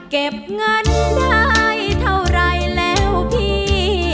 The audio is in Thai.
เก็บเงินได้เท่าไรแล้วพี่